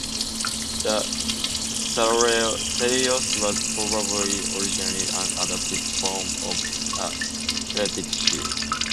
The "thureos" was probably originally an adapted form of a Celtic shield.